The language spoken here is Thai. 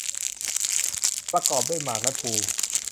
ประกอบด้วยหมากและพลู